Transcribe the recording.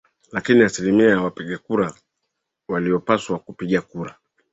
lakini asilimia ya wapiga kura waliopaswa kupiga kura